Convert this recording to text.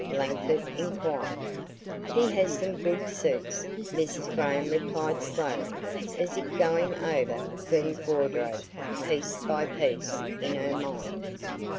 Langford inquired. "He has some good suits," Mrs. Graham replied slowly as if going over Glen's wardrobe piece by piece, in her mind.